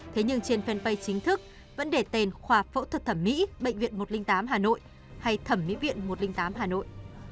thế nhưng trên fanpage chính thức vẫn để tên khoa phẫu thuật thẩm mỹ bệnh viện một trăm linh tám hà nội hay thẩm mỹ viện một trăm linh tám hà nội